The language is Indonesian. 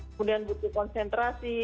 kemudian butuh konsentrasi